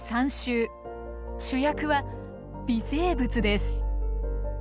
主役は微生物です。